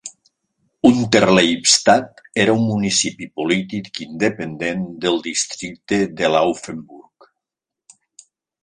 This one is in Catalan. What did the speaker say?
Unterleibstadt era un municipi polític independent del districte de Laufenburg.